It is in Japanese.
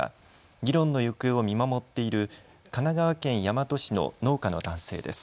議論の行方を見守っている神奈川県大和市の農家の男性です。